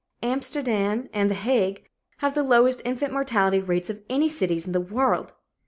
Amsterdam and The Hague have the lowest infant mortality rates of any cities in the world.